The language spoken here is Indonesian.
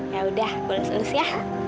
yaudah gue lus lus ya